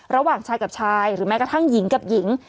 ระหว่างชายกับชายหรือแม้กระทั่งหญิงกับหญิง